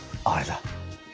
あれだ。